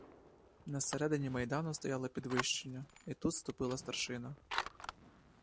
На середині майдану стояло підвищення, і тут ступила старшина.